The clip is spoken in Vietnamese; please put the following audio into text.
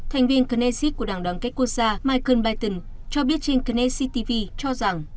thành viên knesset của đảng đoàn kết quốc gia michael biden cho biết trên knesset tv cho rằng